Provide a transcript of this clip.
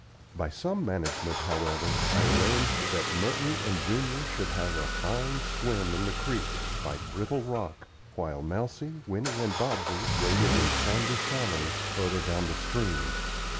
By some management, however, I arranged that Merton and Junior should have a fine swim in the creek, by Brittle Rock, while Mousie, Winnie, and Bobsey waded in sandy shallows, further down the stream.